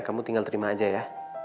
kamu tinggal terima aja ya